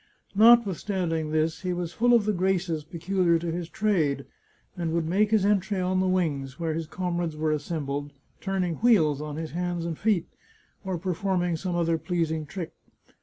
Notwithstand ing this, he was full of the graces peculiar to his trade, and would make his entry on the wings, where his comrades were assembled, turning wheels on his hands and feet, or performing some other pleasing trick.